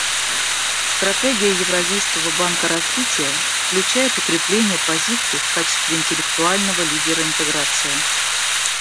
Стратегия Евразийского банка развития включает укрепление позиций в качестве интеллектуального лидера интеграции.